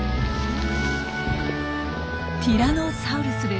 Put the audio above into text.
ティラノサウルスです。